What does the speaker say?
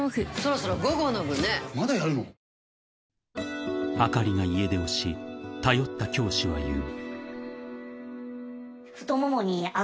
「ＧＯＬＤ」も［あかりが家出をし頼った教師は言う］